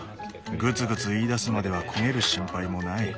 ぐつぐついいだすまでは焦げる心配もない。